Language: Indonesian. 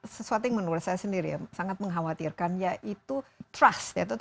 sesuatu yang menurut saya sendiri ya sangat mengkhawatirkan yaitu trust